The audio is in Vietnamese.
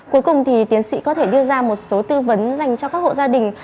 cuối cùng thì tiến sĩ có thể đưa ra một số tư vấn dành cho các hộ gia đình